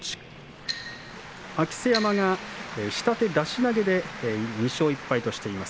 明瀬山が下手出し投げで２勝１敗。